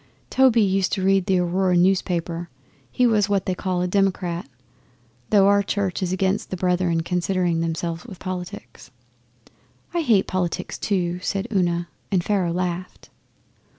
Toby used to read the Aurora newspaper. He was what they call a "Democrat," though our Church is against the Brethren concerning themselves with politics.' 'I hate politics, too,' said Una, and Pharaoh laughed.